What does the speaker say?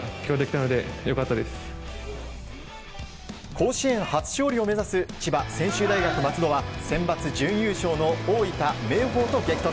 甲子園初勝利を目指す千葉専修大学松戸はセンバツ準優勝の大分、明豊と激突。